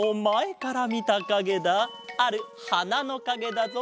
あるはなのかげだぞ。